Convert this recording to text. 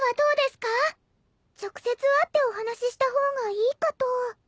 直接会ってお話しした方がいいかと。